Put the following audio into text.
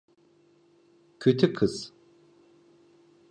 Kötü kız.